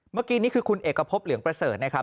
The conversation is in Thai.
เมื่อกี้นี่คือคุณเอกพบเหลืองประเสริฐนะครับ